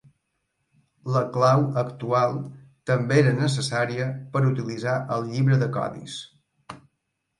La clau actual també era necessària per utilitzar el llibre de codis.